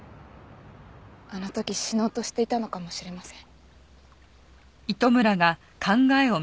あの時死のうとしていたのかもしれません。